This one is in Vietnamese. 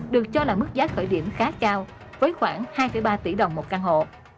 được cho là mức giá khởi điểm khá cao với khoảng hai ba tỷ đồng một căn hộ